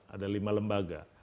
ada lima lembaga